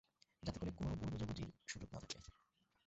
যাতে করে কোনরূপ ভুল বুঝাবুঝির সুযোগ না থাকে।